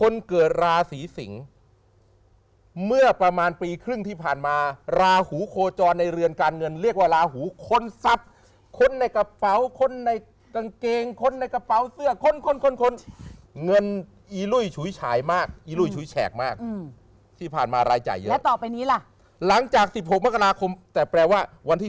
เงินอีลุ่ยฉุยฉายค่ายมากอีลุ่ยฉุยแชกมากอืมไม่ต่อไปนี้ล่ะหลังจากสิบหกมคแต่แปลว่าวันที่